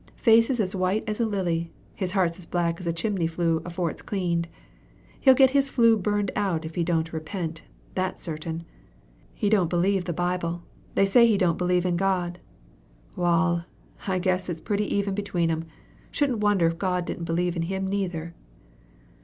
Face's as white as a lily; his heart's as black as a chimney flue afore it's cleaned. He'll get his flue burned out if he don't repent, that's certain. He don't believe the Bible. They say he don't believe in God. Wal, I guess it's pretty even between 'em. Shouldn't wonder if God didn't believe in him neither."